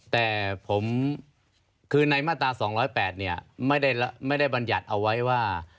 แต่ผมคือในมาตรา๒๐๘เนี่ยไม่ได้บรรยัติเอาไว้ว่า